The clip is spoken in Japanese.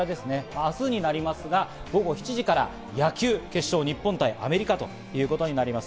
明日になりますが、午後７時から野球決勝、日本対アメリカということになります。